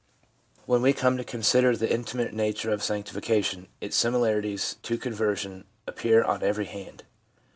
When we come to consider the intimate nature of sanctification, its similarities to conversion appear on every hand.